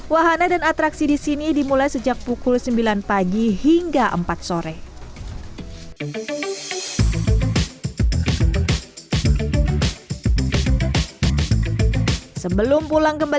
wahana dan atraksi disini dimulai sejak pukul sembilan pagi hingga empat sore